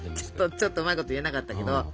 ちょっとうまいこと言えなかったけど